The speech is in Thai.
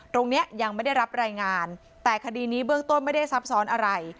ตรงนี้ยังไม่ได้รับรายงานแต่คดีนี้เบื้องต้นไม่ได้ซับซ้อนอะไร